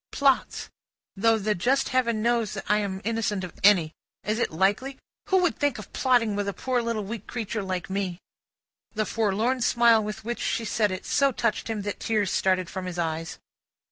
"Plots. Though the just Heaven knows that I am innocent of any. Is it likely? Who would think of plotting with a poor little weak creature like me?" The forlorn smile with which she said it, so touched him, that tears started from his eyes.